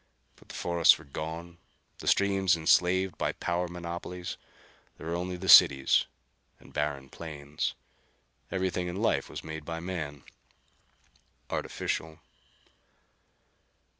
But the forests were gone, the streams enslaved by the power monopolies. There were only the cities and barren plains. Everything in life was made by man, artificial.